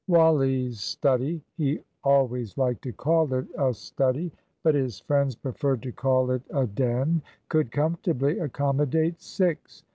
Wally's study he always liked to call it a "study," but his friends preferred to call it a den could comfortably accommodate six.